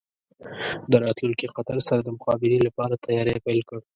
د راتلونکي خطر سره د مقابلې لپاره تیاری پیل کړ.